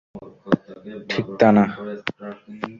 ঠিক তা না।